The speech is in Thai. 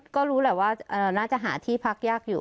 ก็รู้แหละว่าน่าจะหาที่พักยากอยู่